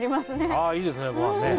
あいいですねごはんね！